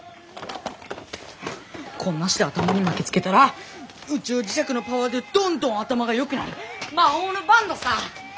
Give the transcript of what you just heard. こんなして頭に巻きつけたら宇宙磁石のパワーでどんどん頭がよくなる魔法のバンドさぁ！